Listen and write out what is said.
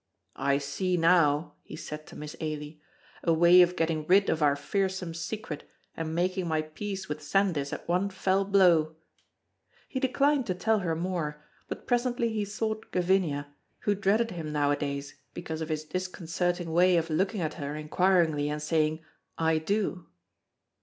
"I see now," he said to Miss Ailie, "a way of getting rid of our fearsome secret and making my peace with Sandys at one fell blow." He declined to tell her more, but presently he sought Gavinia, who dreaded him nowadays because of his disconcerting way of looking at her inquiringly and saying "I do!"